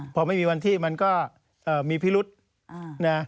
พอไม่มีวันที่มันก็มีพิรุษนะ